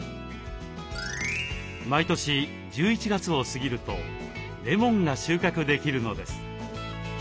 毎年１１月を過ぎるとレモンが収穫できるのです。